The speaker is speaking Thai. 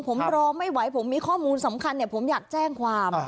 ผมรอไม่ไหวผมมีข้อมูลสำคัญผมอยากแจ้งความ